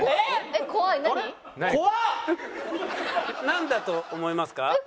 なんだと思いますか？